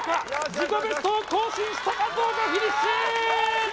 自己ベストを更新したかどうかフィニッシュ！